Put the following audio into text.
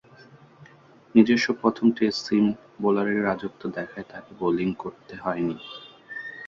নিজস্ব প্রথম টেস্টে সিম বোলারদের রাজত্ব থাকায় তাকে বোলিং করতে হয়নি।